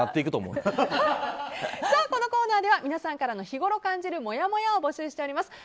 このコーナーでは皆さんからの日ごろ感じるもやもやを募集しております。